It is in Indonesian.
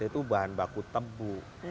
itu bahan baku tebu